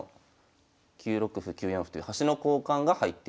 ９六歩９四歩という端の交換が入っている。